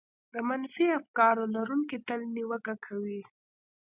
د منفي افکارو لرونکي تل نيوکه کوي.